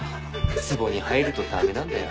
ツボに入るとダメなんだよ。